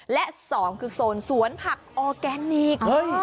และ๒คือโซนสวนผักออร์แกนิค